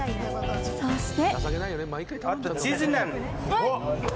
そして。